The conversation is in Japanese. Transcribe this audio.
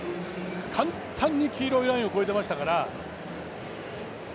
簡単に黄色いラインを越えていましたから。